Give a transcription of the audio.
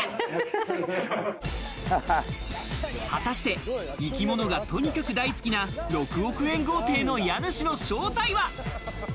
果たして、生き物がとにかく大好きな６億円豪邸の家主の正体は？